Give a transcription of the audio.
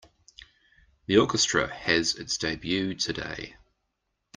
The orchestra has its debut today.